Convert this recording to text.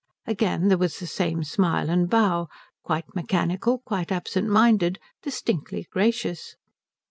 Again there was the same smile and bow, quite mechanical, quite absent minded, distinctly gracious.